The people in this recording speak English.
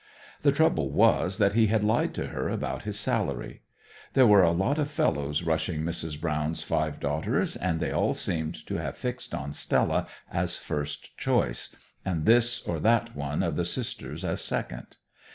The trouble was that he had lied to her about his salary. There were a lot of fellows rushing Mrs. Brown's five daughters, and they all seemed to have fixed on Stella as first choice and this or that one of the sisters as second.